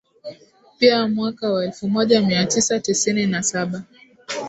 Pia mwaka wa elfu moja mia tisa tisini na saba